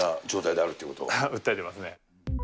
訴えてますね。